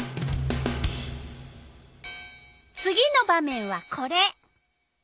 次の場面はこれ。